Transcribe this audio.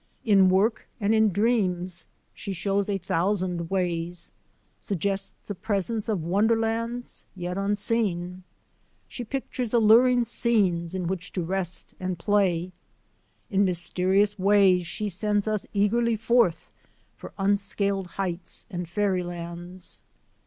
In work and in dreams she shows a thousand ways, suggests the presence of wonderlands yet unseen. She pictures alluring scenes in which to rest and play; in mys terious ways she sends us eagerly forth for unsealed heights and fairylands.